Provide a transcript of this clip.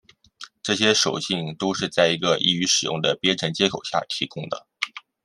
这些属性都是在一个易于使用的编程接口下提供的。